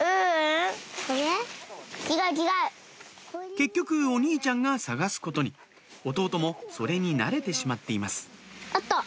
結局お兄ちゃんが探すことに弟もそれに慣れてしまっています